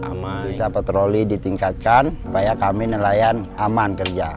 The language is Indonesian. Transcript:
amai bisa petroli ditingkatkan supaya kami nelayan aman kerja